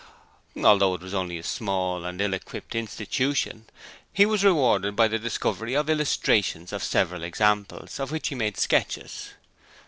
Although it was only a small and ill equipped institution he was rewarded by the discovery of illustrations of several examples of which he made sketches.